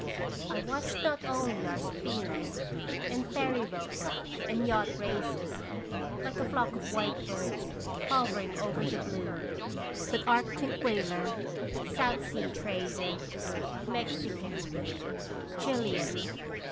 I watched not only our steamers and ferry boats and yacht races, like a flock of white birds hovering over the blue, but Arctic whaler, South Sea trader, Mexican, Chilean, 21 rations tJisitatian.